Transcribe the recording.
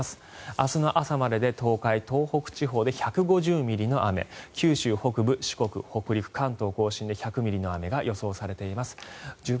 明日の朝までで東海、東北地方で１５０ミリの雨九州北部、四国、北陸関東・甲信で１００ミリの雨が予想されています。